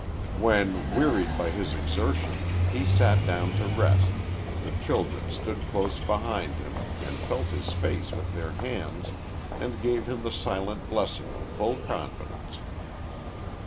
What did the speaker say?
When, wearied by his exertion, he sat down to rest, the children stood close beside him and felt his face with their hands, and gave him the silent blessing of full confidence.